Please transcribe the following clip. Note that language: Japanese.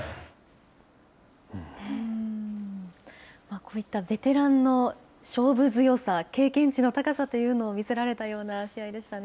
こういったベテランの勝負強さ、経験値の高さというのをみせられたようなしあいでしたね